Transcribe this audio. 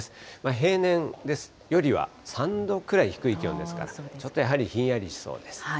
平年よりは３度くらい低い気温ですから、ちょっとやはりひんやりしそうです。